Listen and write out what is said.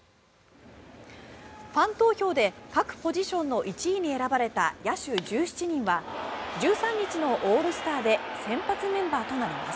ファン投票で各ポジションの１位に選ばれた野手１７人は１３日のオールスターで先発メンバーとなります。